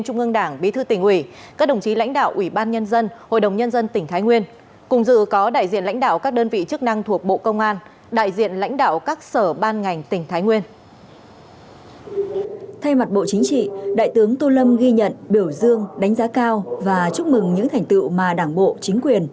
các sở ban ngành tỉnh thái nguyên